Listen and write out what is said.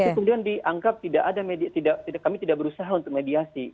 tapi kemudian dianggap tidak ada media kami tidak berusaha untuk mediasi